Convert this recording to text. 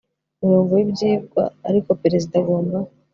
murongo w ibyigwa ariko perezida agomba